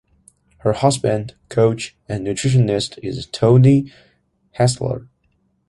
Her husband, coach and nutritionist is Toni Hasler.